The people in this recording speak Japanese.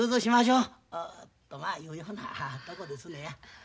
とまあいうようなとこですねや。